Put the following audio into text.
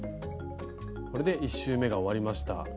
これで１周目が終わりました。